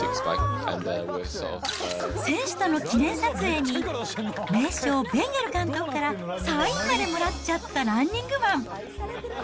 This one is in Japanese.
選手との記念撮影に、名将、ベンゲル監督からサインまでもらっちゃったランニングマン。